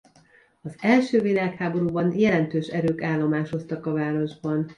Az első világháborúban jelentős erők állomásoztak a városban.